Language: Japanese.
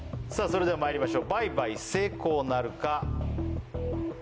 それではまいりましょう倍買成功なるか？